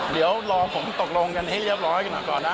เดี๋ยวรอผมตกลงกันให้เรียบร้อยกันหน่อยก่อนนะ